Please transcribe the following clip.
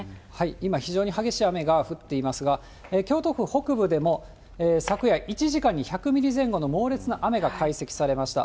今、非常に激しい雨が降っていますが、京都府北部でも、昨夜、１時間に１００ミリ前後の猛烈な雨が解析されました。